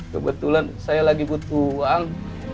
kebetulan saya lagi butuh uang